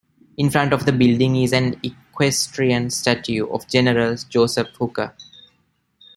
In front of the building is an equestrian statue of General Joseph Hooker.